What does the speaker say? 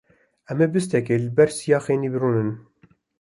Em ê bîstekê li ber siya xênî rûnin.